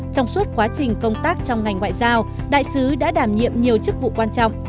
trong suốt quá trình công tác trong ngành ngoại giao đại sứ đã đảm nhiệm nhiều chức vụ quan trọng